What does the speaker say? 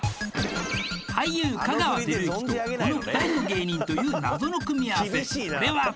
俳優香川照之とこの２人の芸人という謎の組み合わせ